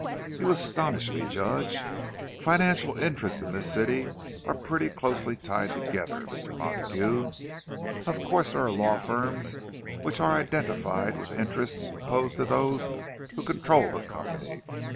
"You astonish me, Judge." "Financial interests in this city are pretty closely tied together, Mr. Montague. Of course there are law firms which are identified with interests opposed to those who control the company.